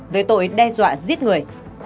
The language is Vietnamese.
về tội đe dọa giết người